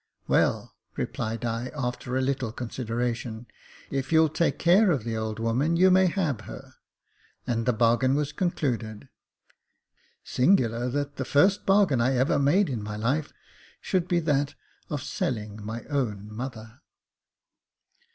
" Well," replied I, after a little consideration, " if you'll take care of the old woman, you may have her," — and the bargain was concluded. Singular that the first bargain I ever made in my life should be that of selling my own mother.